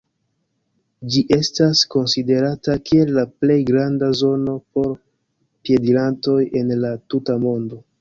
Ĝi estas konsiderata kiel la plej granda zono por piedirantoj en la tuta mondo.